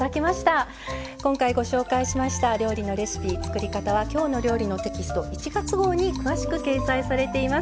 今回ご紹介しました料理のレシピ作り方は「きょうの料理」のテキスト１月号に詳しく掲載されています。